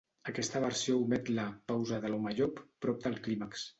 Aquesta versió omet la "pausa de l'home llop" prop del clímax.